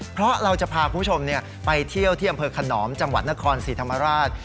เพราะเราจะพาคุณผู้ชมไปเที่ยวที่อำเภอขนอมจังหวัดนครศรีธรรมราช